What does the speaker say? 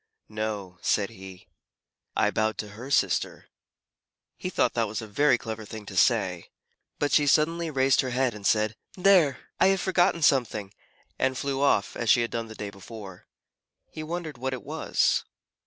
"No," said he. "I bowed to her sister." He thought that was a very clever thing to say. But she suddenly raised her head, and said, "There! I have forgotten something," and flew off, as she had done the day before. He wondered what it was.